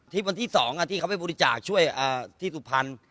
วันที่๒ที่เขาไปบริจาคช่วยที่สุพรรณ